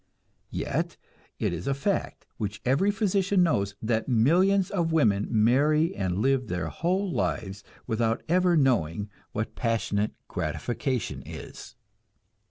Yet it is a fact which every physician knows, that millions of women marry and live their whole lives without ever knowing what passionate gratification is.